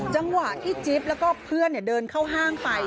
จังหวะที่จิ๊บแล้วก็เพื่อนเดินเข้าห้างไป